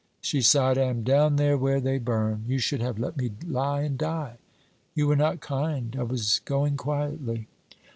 She sighed. 'I am down there where they burn. You should have let me lie and die. You were not kind. I was going quietly.'